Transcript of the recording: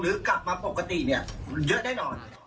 หรือกลับมาปกติเยอะได้นอน